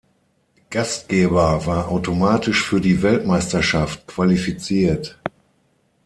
Gastgeber war automatisch für die Weltmeisterschaft qualifiziert.